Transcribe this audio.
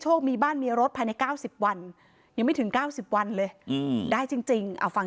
เจอเดือนวิทยุนาที่ไหนได้ยังไม่ถึงวิทยุนา